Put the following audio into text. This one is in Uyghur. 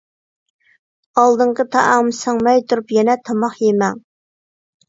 ئالدىنقى تائام سىڭمەي تۇرۇپ يەنە تاماق يېمەڭ.